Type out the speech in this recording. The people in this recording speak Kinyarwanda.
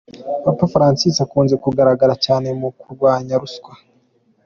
Papa Francis akunze kugaragara cyane mu kurwanya ruswa.